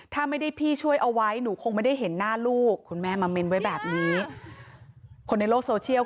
ถ้าไม่ได้พี่ช่วยเอาไว้หนูคงไม่ได้เห็นหน้าลูกคุณแม่มาเม้นไว้แบบนี้คนในโลกโซเชียล